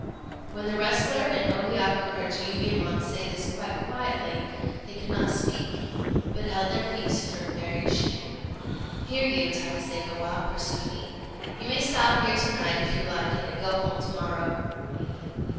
When the wrestler and O Hiyaku heard Jiuyémon say this quite quietly, they could not speak, but held their peace for very shame. "Here, you Takaségawa," pursued he; "you may stop here to night, if you like it, and go home to morrow."